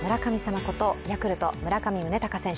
ことヤクルト・村上宗隆選手。